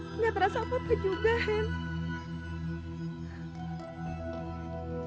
tidak terasa apa apa juga hen